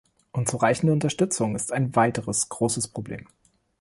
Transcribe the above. Unzureichende Unterstützung ist ein weiteres großes Problem.